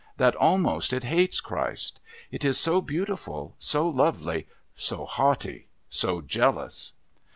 That almost it hates Christ? It is so beautiful, so lovely, so haughty, so jealous!